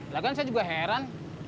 lah kan saya juga heran